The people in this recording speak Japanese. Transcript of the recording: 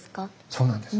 そうなんです。